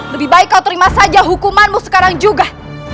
lebih baik kau terima saja hukumanmu sekarang juga